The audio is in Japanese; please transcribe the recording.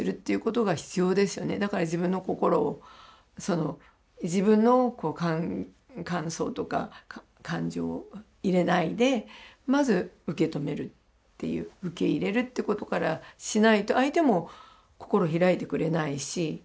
だから自分の心を自分の感想とか感情を入れないでまず受け止めるっていう受け入れるってことからしないと相手も心開いてくれないし。